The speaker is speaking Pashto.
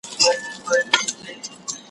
ښخېدی به یې په غوښو کي هډوکی